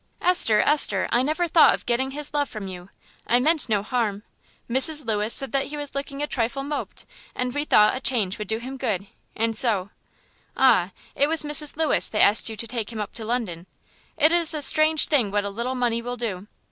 "Esther, Esther, I never thought of getting his love from you. I meant no harm. Mrs. Lewis said that he was looking a trifle moped; we thought that a change would do him good, and so " "Ah! it was Mrs. Lewis that asked you to take him up to London. It is a strange thing what a little money will do.